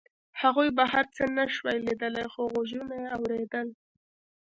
هغوی بهر څه نشوای لیدلی خو غږونه یې اورېدل